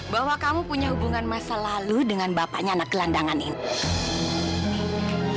bahwa kamu punya hubungan masa lalu dengan bapaknya anak gelandangan ini